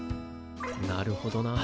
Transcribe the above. なるほどな。